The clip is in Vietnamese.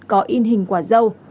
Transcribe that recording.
có in hình quả dâu